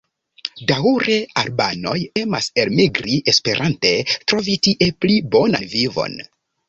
Daŭre albanoj emas elmigri esperante trovi tie pli bonan vivon.